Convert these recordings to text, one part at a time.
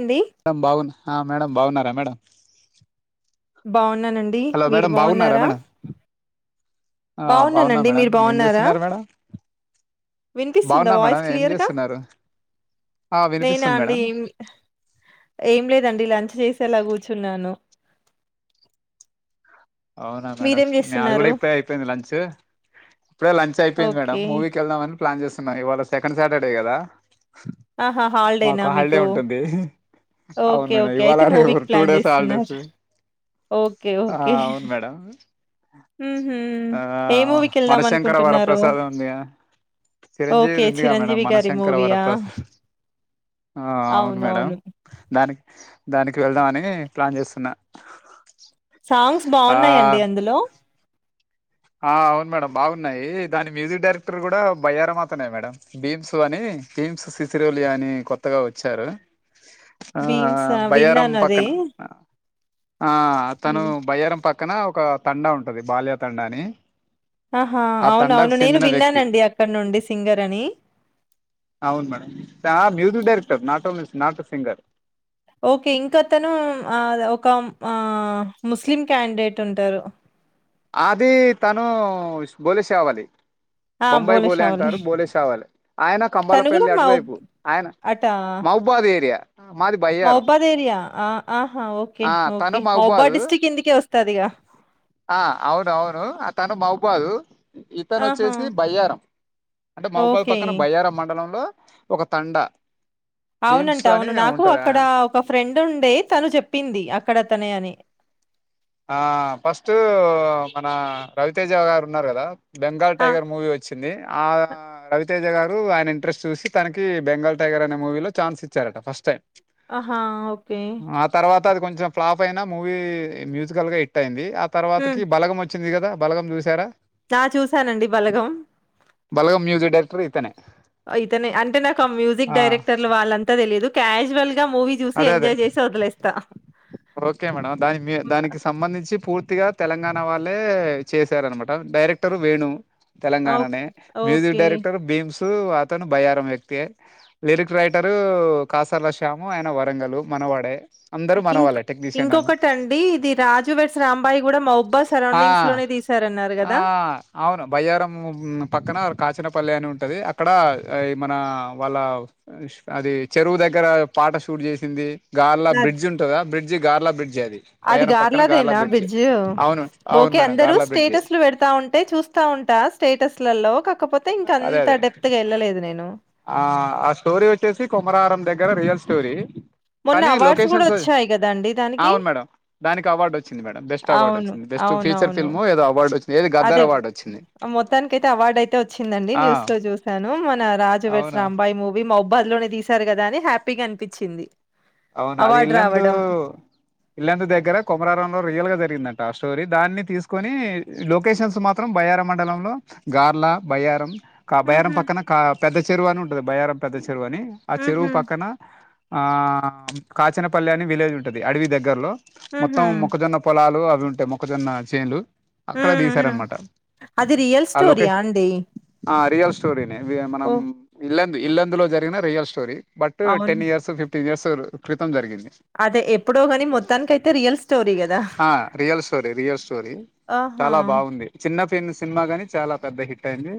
అండి డం బాగున్న ఆ మేడం బాగున్నరా మేడం బాగున్నానండి హలో మీరు మేడం బాగున్నారా మేడం ఆ బాగున్నా బాగున్నానండి మేడం మీరు ఏం బాగున్నారా చేస్తున్నారు మేడం విన్పిస్తుంద బాగున్నా మేడం వాయిస్ ఏం క్లియర్గా చేస్తున్నారు ఆ నేనా వినిపిస్తుంది అండి మేడం మ్ ఏం లేదండి లంచ్ చేసి అలా కూర్చున్న అను ఔనా మేడం న్యాది కూడ ఇప్పుడే అయ్పోయింది లంచు ప్పుడే లంచ్ అయ్పోయింది మేడం ఓకే మూవీకెళ్దామని ప్లాన్ చేస్తున్నార్ ఇవాళ సెకండ్ సాటర్డే కదా ఆహా మాకు హాలిడేనా హాల్డే మీకు ఉంటుంది ఔన్ ఓకే మేడం ఓకే ఇవాళ రేపు two days holidays okay okay ఆ ఏ మూవీకి వెళ్దాం మనశంకర వర అనుకుంటున్నారు ప్రసాద్ ఉందిగా ఓకే చిరంజీవి ఉందిగా మేడం చిరంజీవి గారి మనశంకర వర మూవీయా ప్రసాద్ ఆ అవును మేడం అవునవును దాని దానికి వెళ్దామనీ ప్లాన్ చేస్తున్నా సాంగ్స్ ఆ బాగున్నాయండి అందులో ఆ అవును మేడం బాగున్నాయి దాని మ్యూజిక్ డైరెక్టర్ గుడా బయ్యారం అతనే మేడం భీమ్సు అని మ్స్ సిసిరోలియ అని కొత్తగా ఓచ్చారు ఆహ్ భీమ్స్ ఆహ్ బయారం విన్నాను అదే పక్కన ఆ భీ అతను బయ్యారం పక్కన ఒక తండా ఉంటది బాల్య తండా అని ఆహా ఆ తండాకు అవునవును నేను చెందిన వ్యక్తి విన్నానండి అక్కడ నుండి సింగర్ అని అవును madam sir music director not only not singer okay ఇంక అతను ఒక ఆ ముస్లిం క్యాండిడేట్ ఉంటారు ఆదీ తను బోలెషావాలి ఆ! బొంబాయి బోల బోలే షావులి. అంటారు బోలే శావలె ఆయన తను గూడా కంబాలపల్లి మహబ్ అటువైపు ఆయన మౌబ్బాద్ ఏరియా మాది బయ్యారం మౌబ్బాద్ ఏరియా ఆ ఆహా ఓకే ఆ ఓకే తను మౌబ్బాద్ మహబాద్ డిస్ట్రిక్ట్ కిందికే ఓస్తదిగా ఆ అవునవును అ తను మౌభాదు ఇతను ఆహా! ఓచ్చేసి బయ్యారం అంటే మహుబాల్ ఓకే. పక్కన బయ్యారం మండలంలో ఒక తండ బీమ్స్ అవునంట అని అవును నాకు ఉంటది ఆ అక్కడ ఒక ఫ్రెండ్ ఉండే తను జెప్పింది అక్కడ తనే అని ఆ ఫస్ట్ మన రవితేజ గారు ఉన్నారు గదా బెంగాల్ ఆ! టైగర్ మూవీ ఒచ్చింది అడా రవితేజ గారు ఆయన ఇంట్రెస్ట్ చూసి తనకి బెంగాల్ టైగర్ అనే మూవీలో ఛాన్స్ ఇచ్చారట ఫస్ట్ టైమ్ ఆహా ఓకే తర్వాత అది కొంచెం ఫ్లాఫ్ అయినా మూవీ మ్యూజికల్ గా హిట్ అయింది ఆ తర్వాతకి బలగం వచ్చింది గదా బలగం చూశారా నా చూసానండి బలగం బలగం మ్యూజిక్ డైరెక్టర్ ఇతనే ఇతనే అంటే నాకు ఆ మ్యూజిక్ ఆ డైరెక్టర్లు వాళ్ళంతా తెలిదు క్యాజువల్ మూవీ జూసి అదే అదే ఎంజాయ్ జేసి ఒద్లేస్తా ఓకే మేడం దాని మి దానికి సంబంధించి పూర్తిగా తెలంగాణ వాళ్ళే చేశారనమాట డైరెక్టర్ వేణు ఓహ్! తెలంగాణనే మ్యూజిక్ ఓకే. డైరెక్టర్ బీమ్స్ తు అతను బయ్యారం వ్యక్తె లిరిక్ రైటరు కాసర్ల శ్యాము ఆయన వరంగల్ మనవాడే అందరూ మనవాళ్ళే టెక్నీషియన్ అందరు ఇంకొకటిండి ఇది రాజు వెడ్స్ రాంబాయి గూడా మౌబ్ ఆ ఆ అవును బయ్యారం పక్కన కాచినపల్లె అని ఉన్ టది అక్కడ మన వాళ్ళ అది చెరువు దగ్గర పాట షూట్ జేసింది గార్లా అద్ బ్రిడ్జ్ ఉంటదా బ్రిడ్జ్ గార్లా బ్రిడ్జె అది బయారం పక్కన గార్లా గార్లాదేనా బ్రిడ్జ్ బిడ్జు? అవును అవును ఓకే మేడం అందరూ గార్లా బ్రిడ్జ్ స్టేటస్లు వెడతా ఉంటే చూస్తా ఉంటా స్టేటస్లలో కాక అదే అదే ఆ ఆ స్టోరీ ఓచ్చేసి కొమరారం దె దెగర రియల్ స్టోరీ మొన్న కానీ అవార్డ్స్ గూడా లొకేషన్స్ వైస్ వచ్చాయి గదండీ దానికి. అవును మేడం దానికి అవార్డ్ ఒచ్చింది మేడం బస్ట్ అవార్డ్ అవును. ఒచ్చంది బెస్ట్ ఫీచర్ అవునవును. ఫిల్మ్ ఏదో అవార్డ్ ఒచ్ అదే మొత్తానికైదితే అవార్డు అయితే ఒచ్చి అండి ఆ న్యూస్ లో చూశాను మన రాజు వెడ్స్ అవును రాంబాయి మూవీ మౌ బదిలోనే దీసారు కదా అని హ్యాపీగా అనిపించింది అవును అది ఇల్లందు ఇల్లందు దగ్గర కొమరారంలో రియల్ గా జరిగిందండి స్టోరీ దాన్ని తీసుకొని లొకేషన్స్ మాత్రం బయ్యారం మండలంలో గార్లా బయ్యారం కా బయారం హుహు. పక్కన కా పెద్ద చెరువు అని ఉంటది బయారం పెద్ద చెరువు అని ఆ చెరువు హుహు. పక్కన ఆ కాచనపల్లి అని విలేజ్ ఉంటది అడవి దగ్గరలో హుహు. మొత్తం మొక్కజొన్న పొలాలు అవ్ ఉంటే మొక్కజొన్న చేన్లు అక్కడ హ్మ్. హ్మ్. దీసారనమాట అది రియల్ ఆ స్టోరీయా లొకేషన్ అండి? ఆ రియల్ స్టోరీనే అవి మనం ఓహ్! ఇ ఇల్లందు లో జరిగిన రియల్ స్టోరీ బట్ టెన్ అవును. ఇయర్స్ ఫిఫ్టీన్ ఇయర్స్ క్రితం జరిగింది అదే ఎప్పుడో గాని మొత్తానికైతే రియల్ స్టోరీ గదా! ఆ రియల్ స్టోరి రియల్ స్టోరి ఆహా! చాలా బాగుంది చిన్న పిన్ సినిమా గాని చాలా పెద్ద హిట్ అయింది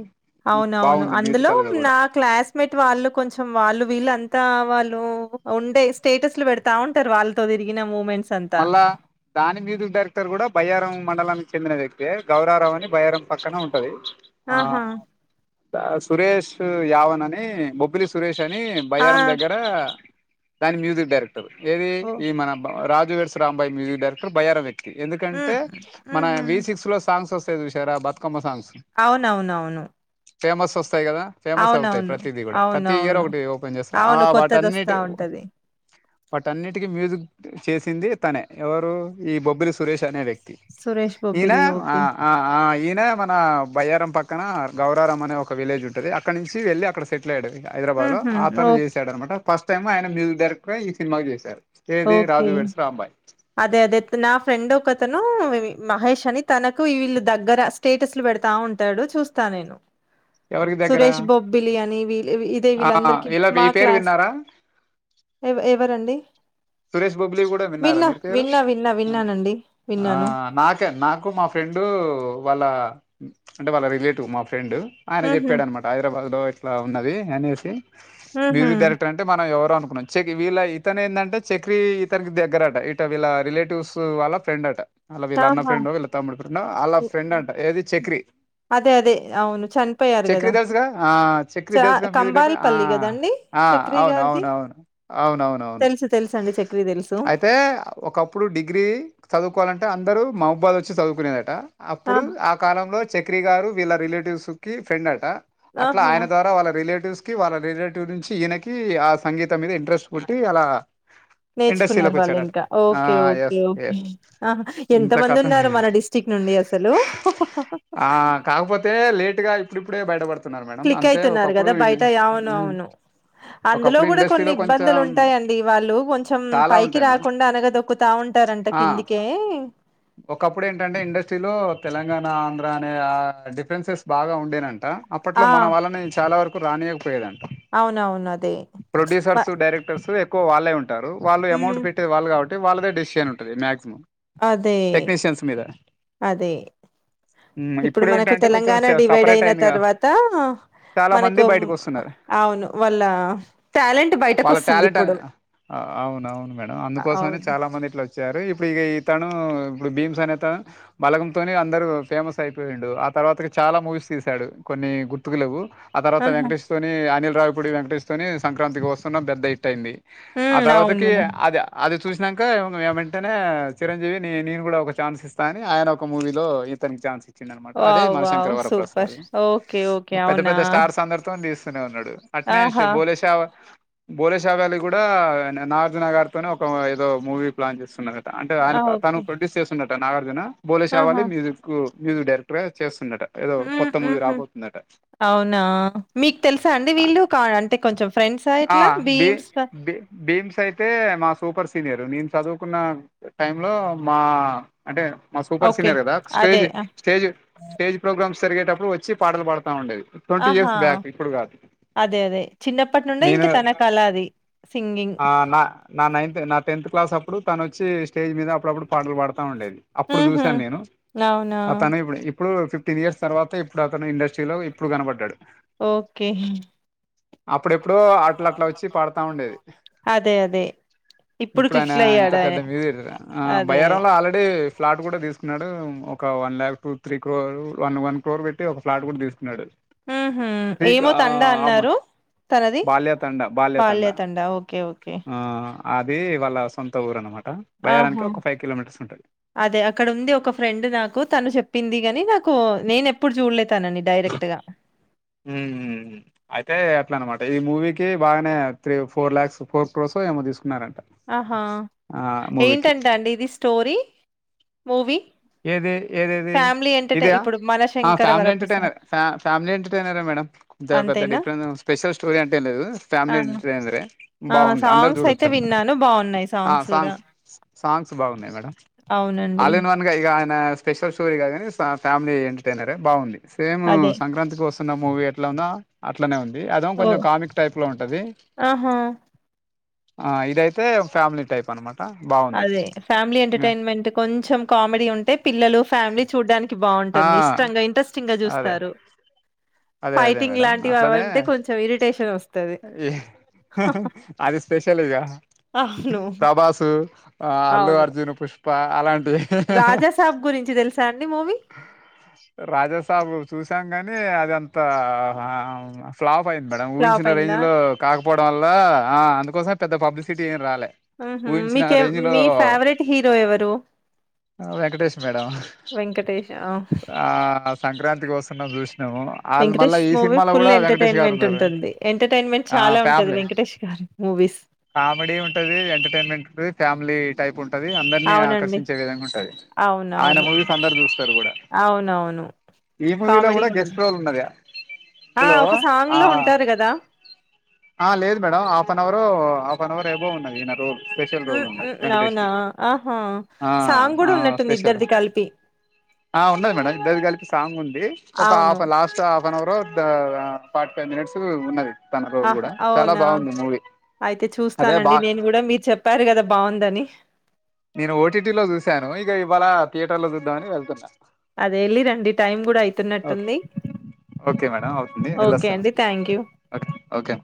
అవునవును బాగుంది అందులో మ్యూజికల్ గా కూడా నా క్లాస్మేట్ వాళ్ళు కొంచెం వాళ్ళు వీళ్ళ అంతా వాళ్ళు ఉండే స్టేటస్లు వేడ్తా ఉంటారు వాళ్ళతో తిరిగినాము మేము మళ్ళా దాని మ్యూజిక్ డైరెక్టర్ గుడా బయ్యారం మండలాని చెందిన వ్యక్తే గౌరారం అని బయరం పక్కన ఉంటది ఆ ఆహా! సురేష్ యావన్ అని బొబ్బిలి సురేష్ అని ఆ! బయ్యారం దగ్గరా దాని మ్యూజిక్ డైరెక్టర్ ఏది ఓహ్! ఈ మన రాజువేడ్స్ రాంబాయి మ్యూజిక్ డైరెక్టర్ బైయార వ్యక్ హ్మ్. ఎందుకంటే మన హుహు. వి. సిక్స్లో సాంగ్స్ వస్తాయి చూసారా బతుకమ్మ సాంగ్ అవునవునవును. ఫేమసస్ వస్తాయి కదా ఫేమస్ అవుతాయి అవునవును. ప్రతీది గుడా ప్రతి ఇయర్ అవునవును. ఒకటి ఓపెన్ చేస్తా ఆ అవును. కొత్తదొస్తా వాటిన్నిటి ఉంటది. వాటన్నిటికీ మ్యూజిక్ చేసింది తనే ఎవరు ఈ బొబ్బిలి సురేష్ అనే వ్య సురేష్ ఈయన బొబ్బిలి ఆ ఓకే. ఆ ఆ ఈయన మన బయ్యారం పక్ క్కన గౌరారం అనే ఒక విలేజ్ ఉంటది అక్కనించి వెళ్లి అక్కడ సెటిల్ అయ్యడు. హైదరాబాద్లో హుహు. అతను ఓకే. చేశాడన్నమాట ఫస్ట్ టైమ్ ఆయన మ్యూజిక్ డైరెక్టరై ఈ సినిమాకు చేశారు. ఏది కే రాజు వెడ్స్ రాంబాయ్ అదే అదే నా ఫ్రెండ్ ఒకతను మహేష్ అని తనకు ఇ వీళ్ళు దగ్గర స్టేటస్లు పెడతా ఉంటాడు చూస్తా నేను ఎవరికి దగ్గర సురేష్ బొబ్బిలి అని వీ దే ఆ వీలందరికి ఇలా మా ఈ పేరు క్లాస్ విన్నారా ఎవ ఎవరండి? సురేష్ బొబ్బిలి గుడా విన్నారా విన్నా. మీరు పేరు విన్నా విన్నా విన్నానండి. ఆ విన్నాను. నాకే నాకు మా ఫ్రెండు వాళ్ళా అంటే వాళ్ళ రిలేటివ్ మా ఫ్రెండ్ ఆయన హుహు. చెప్పాడన్నమాట హైదరాబాద్లో ఇట్లా ఉన్నది అనేసి హుహు. మ్యూజిక్ డైరెక్టరంటే మనం ఎవరో అనుకున్నాం చె వీళ్ళ ఇతన్ ఎందంటే చక్రీ ఇతన్కి దగ్గరట ఇట వీళ్ళ రిలేటివ్స్ వాళ్ళ ఫ్రెండ్ అట. అలా వీళ్ళ అన్న ఆహా! ఫ్రెండో వీళ్ళ తమ్ముడ్ ఫ్రెండో ఆళ్ళ ఫ్రెండ్ ఓహ్! అంట ఏది చక్రీ. అదే అదే అవును. చనిపోయారు గదా! చక్రి తెల్సుగా ఆ చ చక్రి తెల్సుగా మ్యూజిక్ డైరెక్టర్ ఆ కంబాలపల్లి కదండి ఆ చక్రి గారిది అవునవునవున్ అవునవునవున్ తెలుసు తెలుసు అండి చక్రి తెలుసు అయితే ఒకప్పుడు డిగ్రీ చదువుకోవాలంటే అం అందరు మౌబాద్ వచ్చి చదువుకునేదట అప్పుడు ఆ కాలంలో చక్రీ గారు వీళ్ళ రిలేటివ్స్ కి ఫ్రెండ్ అట అట్ల ఆహా ఆయన ద్వారా వాళ్ళ రిలేటివ్స్ కి వాళ్ళ రిలేటివ్ నుంచి ఈయనకి ఆ సంగీత మీద ఇంట్రెస్ట్ పుట్టి అలా ఇండస్ట్రీలో నేర్చుకున్నారు వాళ్ళు కొచ్చాడట ఇంకా ఆ okay okay yes okay yes ఆహా ఎంత ఇంత మంది కథ ఉన్నారు మన డిస్టిక్ నుండి అసలు ఆ కాక్పోతే లేటుగా ఇప్పుడిప్పుడే బయటపడుతుం క్లిక్ అయితున్నార్ గదా బయట ఉమ్, అవునవును. అందులో ఒకప్పుడు గుడా కొన్ని ఇండస్ట్రీలో కొంచెం ఇబ్బందులు ఉంటాయండి వాళ్ళు కొంచం చాలా పైకి ఉంటాయి మేడం రాకుండా అనగదొక్కుతా ఉంటారంట ఆ, కిందికే ఒకప్పుడు ఏంటంటే ఇండస్ట్రీలో తెలంగాణ, ఆంధ్ర అనే ఆ డిఫరెన్సెస్ బాగా ఉండేనం ట అప్పట్లో ఆ మన వాళ్లని చాలా వరకు రానియకపోయేదంట. అవునవును అదే వ ప్రొడ్యూసర్స్, డైరెక్టర్స్ ఎక్కో వాళ్ళే ఉంటారు. వాళ్ళు అమౌంట్ మ్ పెట్టేద్ వాళ్ళు కాబట్టి వాళ్ళదే డిసిషన్ ఉంటది మాక్సిమం అదే టెక్నీషియన్స్ మీద అదే ఉమ్, ఇప్పుడు మనకు ఏంటంటే కొంచెం తెలంగాణ డివైడ్ సెపరేట్ అయిన అయిందిగా తర్వాత చాలా మనకు మంది బయటకు వస్తున్నారు అవును వాళ్ళ టాలెంట్ వాళ్ళ బయటకొస్తుంది టాలెంట్ అని ఇప్పుడు అవునవును మేడం అందుకోసమనే అవును చాలా మంది ఇట్ల వచ్చారు ఇప్పుడు ఇగ ఈ త ను ఇప్పుడు బీమ్స్ అనేత బలగంతోనే అందరు ఫేమస్ అయిపోయిండు. ఆ తర్వాతకి చాలా మూవీస్ తీ సాడు. కొన్ని గుర్తుకు లెవ్వు. ఆ తర్వాత ఆహా వెంకటేష్ తోని అనిల్ రావుపుడి వెంకటష్ తోని సంక్రాంతికి వస్తున్న పెద్ద హిట్ అయింది. ఆ హ్మ్ తర్వాతకి అవును అది అది చూసినంక వెంటనే చిరంజీవి నే నేన్ గుడా ఒక ఛాన్స్ ఇస్తా అని ఆయన ఒక మూవీలో ఇతనికి ఛాన్స్ ఇ చిండన్మాట అదే వావ్ మన wow Shankaravara super Prasad okay okay పెద్ద అవునా పెద్ద స్టార్స్ అందర్తోన్ తీస్ ఉన్నాడు అట్నే ఆహా! బోలేషా బోలేషా వ్యాలి కూడా నాగార్జున గారితోనే ఒక ఏదో మూవీ ప్లాన్ చేస్తున్నడట అంటే ఆయన ఆ! తను ఓకే. ప్రొడ్యూస్ చేస్తున్నట్టట నాగార్జున బోలే ఆహా! శావాలి మ్యూజిక్ మ్యూజిక్ డైరెక్టర్ గా చే ఉందట ఏదో హ్మ్. కొత్త మూవీ హుహు. రాబోతుందట. అవునా మీక్ తెల్సా అండి వీళ్ళు కా అంటే కొంచం ఫ్రెండ్సా ఆ ఇట్లా బీ బీమ్స్ బీ భీమ్స్ అయితే మా సూపర్ సీనియర్ నేన్ చదువుకున్న టైమ్లో మా అంటే మా సూపర్ ఓకే. సీనియర్ కదా స్టేజ్ అదే. ఆ, స్టేజ్ స్టేజ్ ప్రోగ్రామ్స్ జరిగేటప్పుడు వచ్చి పాటలు పడుతుంవుఉండేది ట్వంటీ ఆహా! ఇయర్స్ బ్యాక్ ఇప్పుడు కాదు అదే అదే చిన్నప్పటి నుండే నేను ఇంకా తనకల అది సింగింగ్. ఆ నా నా నైన్త్ నా టెన్త్ క్లాస్ అ అప్పుడు తన వచ్చి స్టేజి మీద అపుడపుడు పాలు పాడుత ఉండది అప్పుడు హుహు. చూసాను నేను అవునా! అతను ఇప్పుడు ఇప్పుడు ఫిఫ్టీన్ ఇయర్స్ తర్వాత ఇప్పుడు తాను ఇండస్ట్రీలో ఇప్పుడు కనపడ్డాడు ఓకే అప్పుడెప్పుడొ అట్ల అట్లా వచ్చి పాడుతా ఉండేది అదే అదే ఇప్పుడు ఆయన క్లిక్ ఇంత అయ్యాడు ఆయన పెద్ద మీజారు ఆ అదే బహారం లో అల్లరెడీ ఫ్లాట్ కూడా తీసుకున్నాడు ఒక వన్ లలాక్ టూ త్రీ క్లో వన్ వన్ క్లోర్ పెట్టి ఒక ఫ్లాట్ కూడా తీసుకున్నాడు ఉహూ ఫకా ఏమో ఆ తండా ఆమ అన్నారు తనది బాల్యతండ బాల్యతండ బాల్య తండా ఓకే ఓకే ఆ అది వాళ్ళ సొంత ఊరు అన్నమాట బయ్యాలని ఆహా కి ఒక ఫైవ్ కిలో మీటర్స్ అదే అక్కడ ఉంది ఒక ఫ్రెండ్ నాకు తను చెప్పింది గాని నాకు నేను అపు ఎప్పుడు చూడలే తనని డైరెక్ట్ గా ఉమ్మ్ అయితే ఎట్లా అనమాట ఈ మూవీకిి బాగానే three four lakhs four crores ఏమో తీసుకున్నాడంట ఆహా ఏంటంటా అండి ఇది స్టోరీ మూవీ ఏది ఏదిది ఫ్యామిలీ ఎంటర్టైన్ ఇదా ఇప్పుడు Manashankara family Varaprasad entertainer family entertainer madam అంత పెద్ద అంతేనా డిఫరెంట్ స్పెషల్ స్టోరీ అంటే లేదు ఫ్యామిలీ ఆ! ఎంటర్టైనర్ ఏ ఆ! బాగుంది అందరు సాంగ్స్ అయితే చూడొచ్చు విన్నాను బాగున్నాయి కూడా సాంగ్స్ సాంగ్స్ బాగున్నాయి మేడం అవునండి అల్ ఇన్ వన్ ఇగా ఆయన స్పెషల్ షోరీ కాదు గాని ఫ్యామిలీ ఎంటర్టైనర్ బాగుంది సేమ్ అదే సంక్రాంతి కోస్త వస్తున్నాం మూవీ ఎట్లా ఉందో అట్లనే ఉంది అదం ఓ కొంచెం కామిక్ టైప్ లో ఉంటది ఆహా! ఆ ఇదయితే ఫ్యామిలీ టైప్ అన్నమాట అదే ఫ్యామిలీ ఎంటర్టైన్మెంట్ కొంచెం కామెడి ఉంటే పిల్లలు ఫ్యామిలీ చూడ్డానికి ఆ బాగుంటుంది ఇష్టంగా ఇంట్రెస్టింగ్ గా అదే చూస్తారు అదే అదే మేడం అట్లానే ఉంటే కొంచెం ఇరిటేషనొస్తది. ఈ అది స్పెషల్ ఇంగ అవును. ప్రభాసు ఆ అల్లు అర్జున్ పుష్ప అలాంటివి రాజాసబ్ గురించి తెలుసా అండి మూవీ రాజాసాబు చూసాం కాని కానీ అదింత ఫ్లాప్ అయింది మేడం ఫ్లాప్ ఊహించిన రేంజ్ అయిందా? లో కాకపో పోవడం వల్ల ఆ అందుకోసం పెద్ద పబ్లిసిటీ ఎం రాలేదు ఆహ్ ఆహ్ మీకు మీ ఫేవరెట్ హీరో ఎవరు వెంకటేష్ మేడం 'వెంకటేష్.' ఆ! ఆ సంక్రాంతి కోసం వస్తున్నాం చూసినాము వాళ్ళు మళ్ళా వెంకటేష్ ఈ మూవీ సినిమాలో ఫుల్ కూడా వెంకటేష్ గారు ఎంటర్టైన్మెంట్ ఉన్నారు ఉంటుంది ఎంటర్టైన్మెంట్ ఆ చాలా ఉంటంది ఫ్యామిలీ వెంకటేష్ గారు మూవీ మూవీస్ కామెడీ ఉంటది ఎంటర్టైన్మెంట్ ఉంటంది ఫ్యామిలీ టైప్ ఉంటది అందరినీ అవునండి. ఆకర్షించే విధంగా ఉంటంది ఆయన అవునవును. మూవీస్ అందరు చూస్తారు కూడా అవునవును. ఈ మూవీలో కామెడీ కూడా గూడా ఉం గెస్ట్ రోల్ ఉన్నది ఆ హలో ఒక సాంగ్ ఆ లో ఉంటారు కదా ఆ లేదు madam half hour half hour ఆబో ఉంటది ఇన రోల్ స్పెషల్ రోల్ హ్మ్ ఉంది హ్మ్ వెంకటేష్ అవునా కి ఆహా ఆ సాంగ్ ఆ కూడా ఉన్నట్టుంది స్పెషల్ ఇద్దరిది కలిపి ఆ ఉన్నది మేడం ఇద్దదకలిపి సాంగ్ ఉంది ఒక అవును. హాఫ్ లాస్ట్ హాఫ్ హఫెన్ అవరు తా ఫార్ట్ ఫై మినిట్స్ ఉన్నది తన రోల్ ఆహ్! గుడా చాలా అవునా బాఉంది మూవీ అయితే అదే బా చూస్తానండి నేన్ గుడా మీర్ చెప్పారు కదా బాఉందని నేను ఓటీటీ లో జుసాను ఇగ ఇవాళ థియే టర్ లో జుదాం ఆని వెల్ తున్న అదే ఏళ్లి రండి టైం గుడా అయితున్నట్టుంది ఓకె మేడం అవుతుంది ఓకే అండి వెళ్ళొస్తానండి థ్యాంక్ యూ. Okay okay